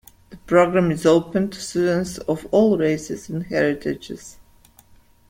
The program is open to students of all races and heritages.